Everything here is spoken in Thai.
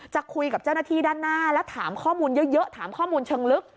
คุยกับเจ้าหน้าที่ด้านหน้าแล้วถามข้อมูลเยอะถามข้อมูลเชิงลึก